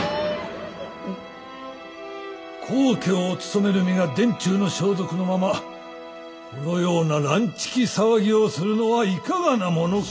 高家を務める身が殿中の装束のままこのような乱痴気騒ぎをするのはいかがなものか。